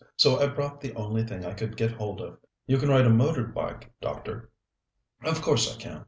So I brought the only thing I could get hold of. You can ride a motor bike, doctor?" "Of course I can.